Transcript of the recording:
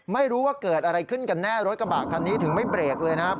ไม่รู้ว่าเกิดอะไรขึ้นกันแน่รถกระบะคันนี้ถึงไม่เบรกเลยนะครับ